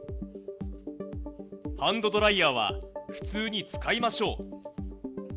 ハンドドライヤーは普通に使いましょう。